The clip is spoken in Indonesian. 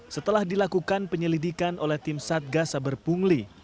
setelah dilakukan penyelidikan oleh tim satgas saber pungli